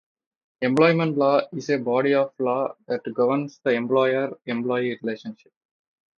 Employment law is a body of law that governs the employer-employee relationship.